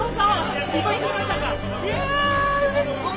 いやうれしい！